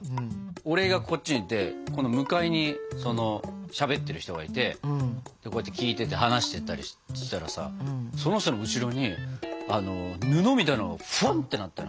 俺がこっちにいて向かいにしゃべってる人がいてこうやって聞いてて話してたりしてたらさその人の後ろに布みたいなのがふわってなったの。